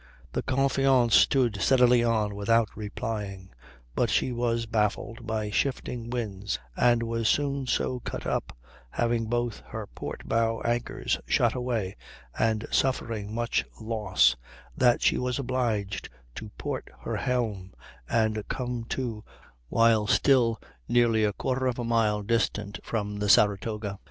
The Confiance stood steadily on without replying. But she was baffled by shifting winds, and was soon so cut up, having both her port bow anchors shot away, and suffering much loss, that she was obliged to port her helm and come to while still nearly a quarter of a mile distant from the Saratoga.